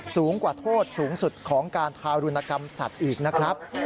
สูงกว่าโทษสูงสุดของการทารุณกรรมสัตว์อีกนะครับ